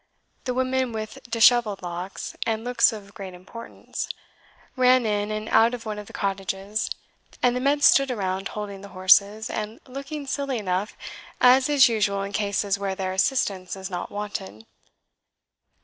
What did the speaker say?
The women with dishevelled locks, and looks of great importance, ran in and out of one of the cottages, and the men stood around holding the horses, and looking silly enough, as is usual in cases where their assistance is not wanted.